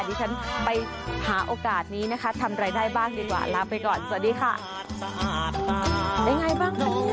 ดีฉันไปหาโอกาสนี้นะคะทำรายได้บ้างดีกว่าลาไปก่อนสวัสดีค่ะ